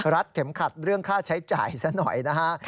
รัดเข็มขัดเรื่องค่าใช้จ่ายซะหน่อยนะฮะ